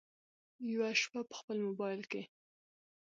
یوه شپه په خپل مبایل کې